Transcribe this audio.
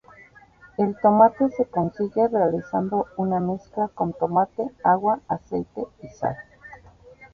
El tomate se consigue realizando una mezcla con tomate, agua, aceite y sal.